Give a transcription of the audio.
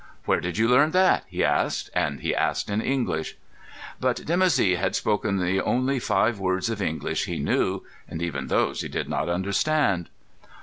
"Where did you learn that?" he asked; and he asked in English. But Dimoussi had spoken the only five words of English he knew, and even those he did not understand.